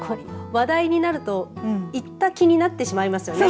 話題になると行った気になってしまいますよね。